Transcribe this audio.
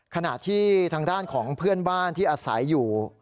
ขณะที่ทางด้านของเพื่อนบ้านที่อาศัยอยู่